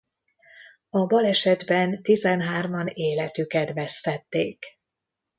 A balesetben tizenhárman életüket vesztették.